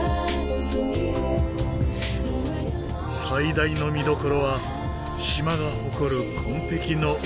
最大の見どころは島が誇る紺碧の海。